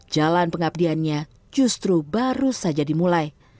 jalan pengabdiannya justru baru saja dimulai